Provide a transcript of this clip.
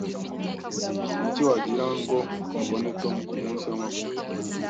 Niki wagira ngo mbone Tom kumunsi w'amavuko?